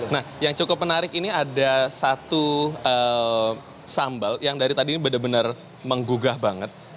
nah yang cukup menarik ini ada satu sambal yang dari tadi ini benar benar menggugah banget